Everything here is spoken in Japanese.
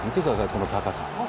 この高さ。